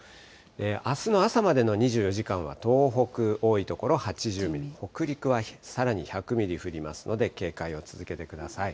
あすの朝までの２４時間は東北、多い所８０ミリ、北陸はさらに１００ミリ降りますので、警戒を続けてください。